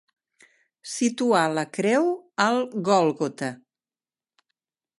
Situar la creu al Gòlgota.